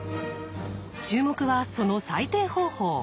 注目はその採点方法。